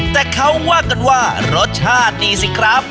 แต่เขาว่ากันว่ารสชาติดีสิครับ